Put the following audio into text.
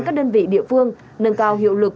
các đơn vị địa phương nâng cao hiệu lực